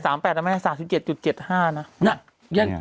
คนเราก็จะแตะ๓๘นะแม่๓๗๗๕นะ